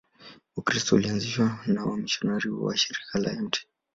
Ukristo ulianzishwa na wamisionari wa Shirika la Mt.